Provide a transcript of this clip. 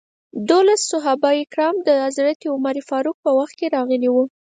دولس صحابه کرام د حضرت عمر فاروق په وخت کې راغلي وو.